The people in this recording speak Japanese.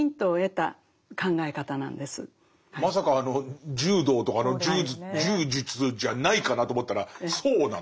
まさかあの柔道とかの柔術じゃないかなと思ったらそうなんですね。